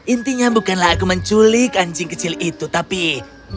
intinya bukanlah aku menculik anjing kecil itu tapi aku mencuri anjingnya